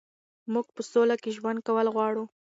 موږ په سوله کې ژوند کول غواړو.